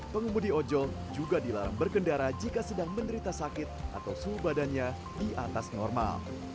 pengemudi ojol juga dilarang berkendara jika sedang menderita sakit atau suhu badannya di atas normal